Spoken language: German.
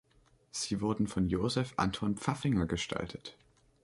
Sie wurden von Josef Anton Pfaffinger gestaltet.